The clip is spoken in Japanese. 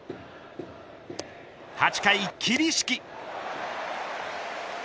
８回桐敷。